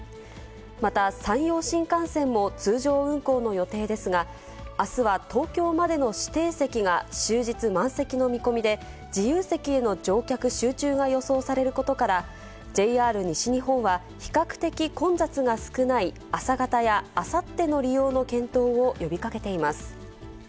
また山陽新幹線も通常運行の予定ですが、あすは東京までの指定席が終日、満席の見込みで、自由席への乗客集中が予想されることから、ＪＲ西日本は、比較的混雑が少ない朝方やあさっての利用の検討を呼びかけています。